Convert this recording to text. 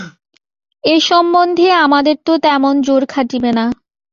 এ সম্বন্ধে আমাদের তো তেমন জোর খাটিবে না।